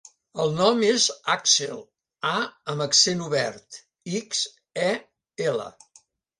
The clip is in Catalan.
El nom és Àxel: a amb accent obert, ics, e, ela.